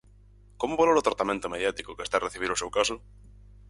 Como valora o tratamento mediático que está a recibir o seu caso?